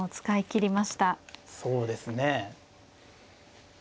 そうですね。